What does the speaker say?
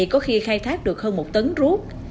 có khi khai thác được hơn một tấn rút